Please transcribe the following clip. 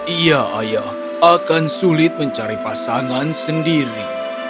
iya ayah akan sulit mencari pasangan sendiri